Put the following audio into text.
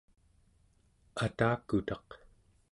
atakutaq